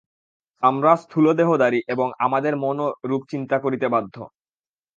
আমরা স্থূলদেহধারী এবং আমাদের মনও রূপ চিন্তা করিতে বাধ্য।